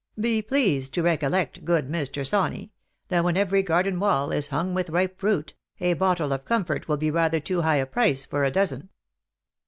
Be pleased to recoliect, good Mr. Sawney, that when every garden wall is hung with ripe fruit, a bottle of comfort will be rather too high a price for a dozen."